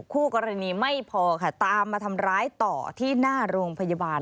คู่กรณีไม่พอค่ะตามมาทำร้ายต่อที่หน้าโรงพยาบาล